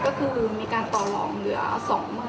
ราคาพูดลงที่ที่เขาโปรนนี่๒๖๕๐๐